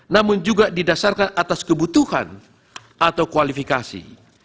namun juga didasarkan atas kebutuhan atau kualifikasi